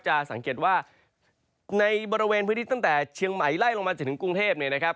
จะสังเกตว่าในบริเวณพื้นที่ตั้งแต่เชียงใหม่ไล่ลงมาจนถึงกรุงเทพเนี่ยนะครับ